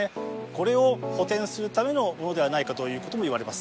これを補填するためのものではないかということもいわれます